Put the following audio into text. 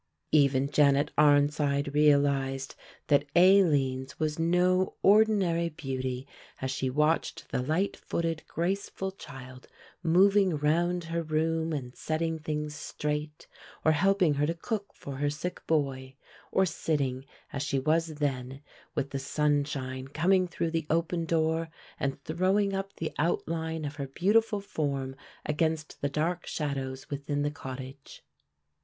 Even Janet Arnside realised that Aline's was no ordinary beauty as she watched the lightfooted graceful child moving round her room and setting things straight, or helping her to cook for her sick boy, or sitting, as she was then, with the sunshine coming through the open door and throwing up the outline of her beautiful form against the dark shadows within the cottage.